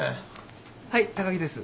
はい高木です。